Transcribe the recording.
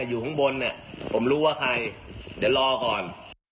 อยู่ข้างบนเนี่ยผมรู้ว่าใครเดี๋ยวรอก่อน